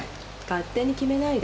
勝手に決めないで。